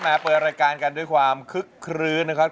มาเปิดรายการกันด้วยความคึกคลื้นนะครับ